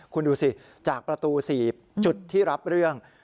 คุณดูสิจากประตู๔จุดที่รับเรื่อง